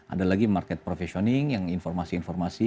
ada lagi market professioning yang informasi informasi